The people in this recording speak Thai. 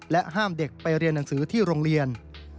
ห้ามเด็กไปเรียนหนังสือที่โรงเรียน